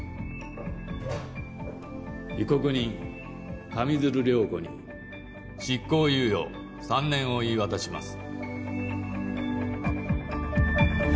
・被告人上水流涼子に執行猶予３年を言い渡します。